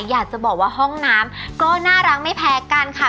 อยากจะบอกว่าห้องน้ำก็น่ารักไม่แพ้กันค่ะ